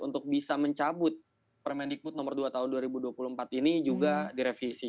untuk bisa mencabut permendikbud nomor dua tahun dua ribu dua puluh empat ini juga direvisi